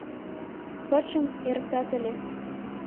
Пырчым эрыктат ыле.